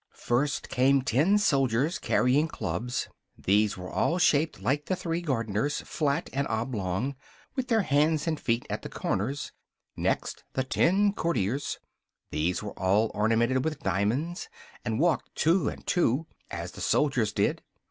First came ten soldiers carrying clubs; these were all shaped like the three gardeners, flat and oblong, with their hands and feet at the corners: next the ten courtiers; these were all ornamented with diamonds, and walked two and two, as the soldiers did.